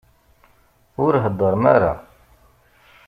Ur heddṛem ara!